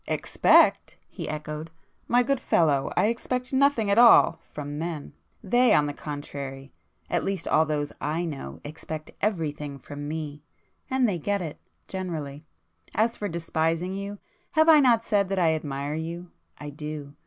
"Expect!" he echoed—"My good fellow, I expect nothing at all,—from men. They, on the contrary,—at least all those I know—expect everything from me. And they get it,—generally. As for 'despising' you, have I not said that I admire you? I do.